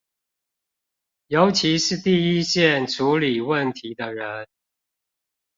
尤其是第一線處理問題的人